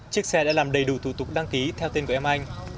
chiếc xe đã làm đầy đủ thủ tục đăng ký theo tên của em anh